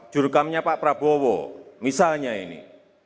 jurukamnya pak prabowo misalnya ini